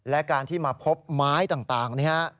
และการที่มาพบไม้ต่างนี่ฮะ